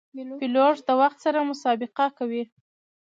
پیلوټ د وخت سره مسابقه کوي.